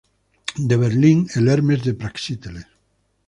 De Berlín "Hermes" de Praxíteles.